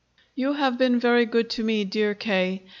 You have been very good to me, dear K.